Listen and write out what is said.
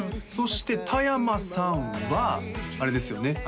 そして田山さんはあれですよね